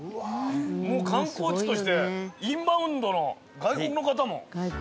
もう観光地としてインバウンドの外国の方も。